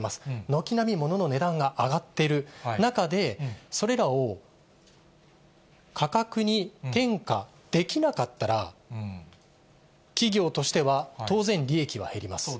軒並みものの値段が上がっている中で、それらを価格に転嫁できなかったら、企業としては当然、利益は減ります。